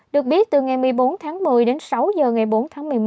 được biết từ ngày một mươi bốn tháng một mươi đến sáu h ngày bốn tháng một mươi một